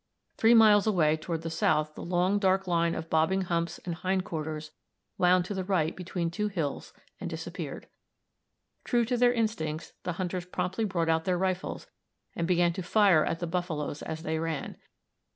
Three miles away toward the south the long dark line of bobbing humps and hind quarters wound to the right between two hills and disappeared. True to their instincts, the hunters promptly brought out their rifles, and began to fire at the buffaloes as they ran.